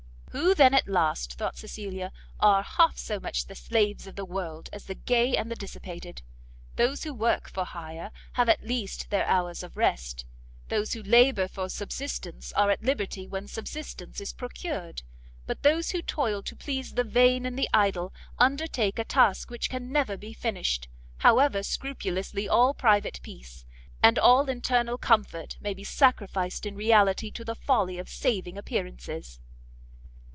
Who then at last, thought Cecilia, are half so much the slaves of the world as the gay and the dissipated? Those who work for hire, have at least their hours of rest, those who labour for subsistence are at liberty when subsistence is procured; but those who toil to please the vain and the idle, undertake a task which can never be finished, however scrupulously all private peace, and all internal comfort, may be sacrificed in reality to the folly of saving appearances!